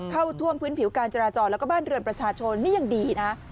เข้าท่วมพื้นผิวการจราจรแล้วก็บ้านเรือนประชาชนนี่ยังดีนะ